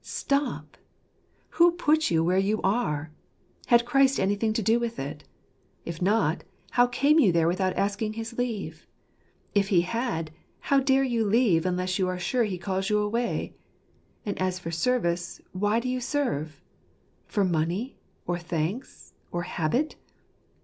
Stop! Who put you where you are? Had Christ anything to do with it ? If not,, how came you there without asking his leave ? If He had, how dare you leave unless you are sure He calls you away ? And as for service — why do you serve? For money, or thanks, or habit